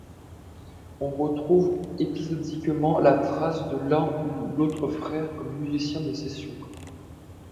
On retrouve épisodiquement la trace de l'un ou l'autre frère comme musicien de session.